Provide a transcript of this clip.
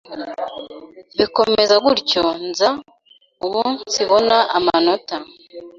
bukomeza gutyo nza umunsibona amanota